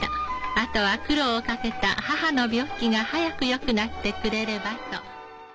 あとは苦労をかけた母の病気が早くよくなってくれればと。